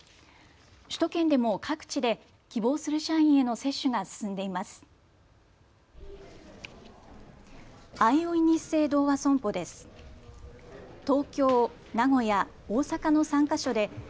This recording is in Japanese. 首都圏でも各地で希望する社員への接種が進んでいます。